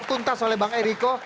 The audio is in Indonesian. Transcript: tuntas oleh bang eriko